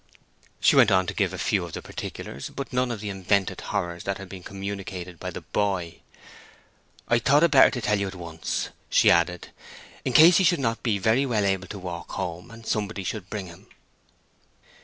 She went on to give a few of the particulars, but none of the invented horrors that had been communicated by the boy. "I thought it better to tell you at once," she added, "in case he should not be very well able to walk home, and somebody should bring him."